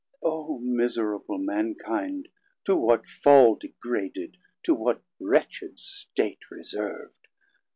O miserable Mankind, to what fall Degraded, to what wretched state reserv'd?